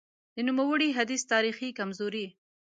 د نوموړي حدیث تاریخي کمزوري :